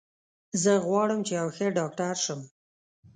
زه غواړم چې یو ښه ډاکټر شم